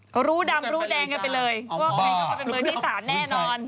ก็รู้ดำรู้แดงกันไปเลยว่าใครก็เป็นมือดีสารแน่นอน